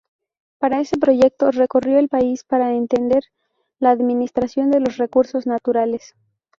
Para ese proyecto recorrió el país para entender la administración de los recursos naturales.